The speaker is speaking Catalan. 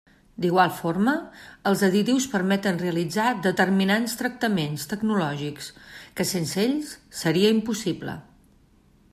D'igual forma els additius permeten realitzar determinats tractaments tecnològics que sense ells seria impossible.